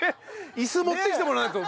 椅子持ってきてもらわないと。